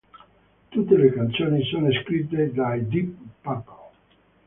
Tutte le canzoni sono scritte dai Deep Purple.